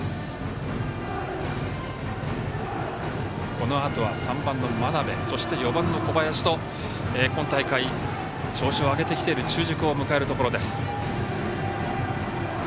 このあとは３番の真鍋そして、４番の小林と今大会、調子を上げてきている中軸を迎えるところです。